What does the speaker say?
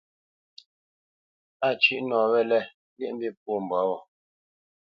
A cʉ́ʼ nɔ wɛ̂lɛ̂, lyéʼmbî pwô mbwǎ wo.